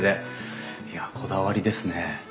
いやこだわりですね。